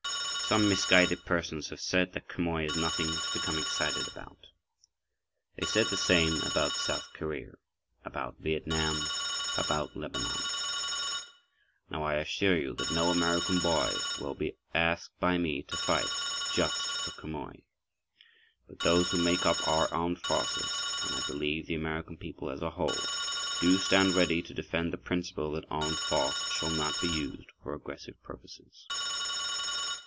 Some misguided persons have said that Quemoy is nothing to become excited about. They said the same about south Korea—about Viet Nam, about Lebanon. Now I assure you that no American boy will be asked by me to fight just for Quemoy. But those who make up our Armed Forces—and, I believe the American people as a whole—do stand ready [pg 17]to defend the principle that armed force shall not be used for aggressive purposes.